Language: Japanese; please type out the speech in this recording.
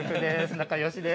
仲よしです。